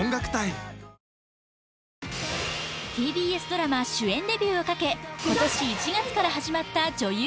ＴＢＳドラマ主演デビューをかけ今年１月から始まった女優